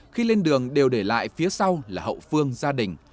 khi lên đường đều để lại phía sau là hậu phương gia đình